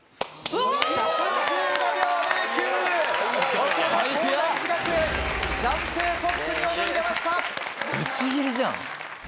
ぶっちぎりじゃん。